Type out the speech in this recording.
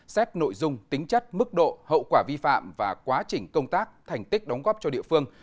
xét nội dung tính chất mức độ hậu quả vi phạm và quá trình công tác thành tích đóng góp cho địa phương